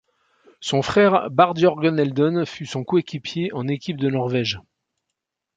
Son frère Bård Jørgen Elden fut son coéquipier en équipe de Norvège.